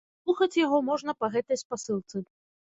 Паслухаць яго можна па гэтай спасылцы.